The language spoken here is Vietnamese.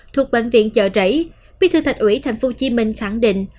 thuộc bệnh viện chợ rẫy bị thư thạch ủy tp hcm khẳng định